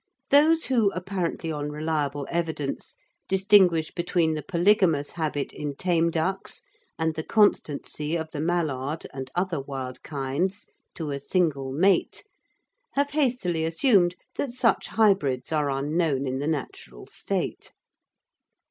Those who, apparently on reliable evidence, distinguish between the polygamous habit in tame ducks and the constancy of the mallard and other wild kinds to a single mate have hastily assumed that such hybrids are unknown in the natural state.